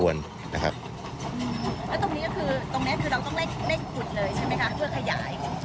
แล้วตรงนี้ก็คือตรงนี้คือเราต้องเร่งขุดเลยใช่ไหมคะเพื่อขยาย